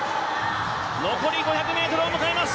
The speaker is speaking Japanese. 残り５００ｍを迎えます！